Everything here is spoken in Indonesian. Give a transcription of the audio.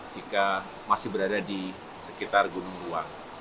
jika masih berada di sekitar gunung buang